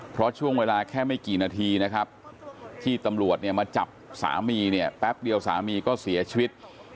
เพราะช่วงเวลาแค่ไม่กี่นาทีนะครับที่ตำรวจเนี่ยมาจับสามีเนี่ยแป๊บเดียวสามีก็เสียชีวิต